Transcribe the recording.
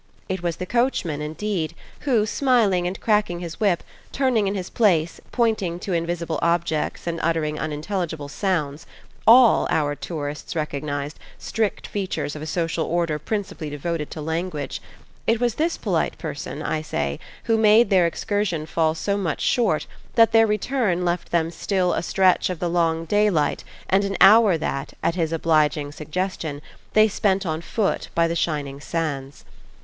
It was the coachman indeed who, smiling and cracking his whip, turning in his place, pointing to invisible objects and uttering unintelligible sounds all, our tourists recognised, strict features of a social order principally devoted to language: it was this polite person, I say, who made their excursion fall so much short that their return left them still a stretch of the long daylight and an hour that, at his obliging suggestion, they spent on foot by the shining sands.